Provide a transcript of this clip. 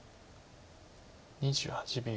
２８秒。